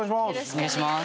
お願いします。